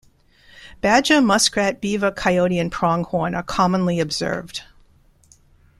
Badger, muskrat, beaver, coyote, and pronghorn are commonly observed.